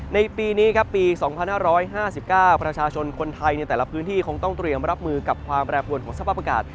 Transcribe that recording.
ในปีนี้ครับปี๒๕๕๙ประชาชนคนไทยในแต่ละพื้นที่คงต้องเตรียมรับมือกับความแปรปวนของสภาพอากาศ